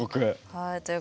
はい。